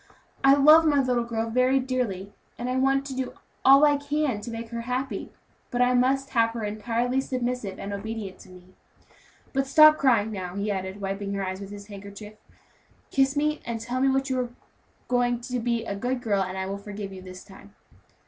I love my little girl very dearly, and want to do all I can to make her happy, but I must have her entirely submissive and obedient to me. But stop crying now," he added, wiping her eyes with his handkerchief. "Kiss me, and tell me you are going to be a good girl, and I will forgive you this time."